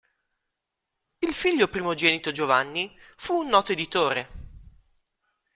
Il figlio primogenito Giovanni fu un noto editore.